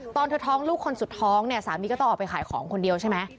ตอนเธอท้องลูกคนสุดท้องเนี่ยสามีก็ต้องออกไปขายของคนเดียวใช่ไหม